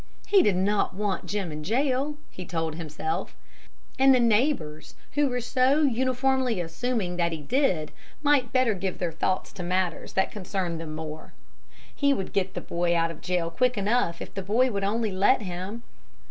He did not want Jim in jail, he told himself; and the neighbors who were so uniformly assuming that he did might better give their thoughts to matters that concerned them more. He would get the boy out of jail quick enough if the boy would only let him.